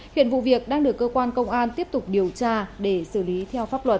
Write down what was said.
hiện vụ việc đang được cơ quan công an tiếp tục điều tra để xử lý theo pháp luật